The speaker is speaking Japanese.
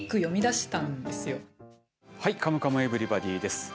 はい「カムカムエヴリバディ」です。